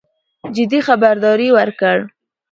جدي خبرداری ورکړ.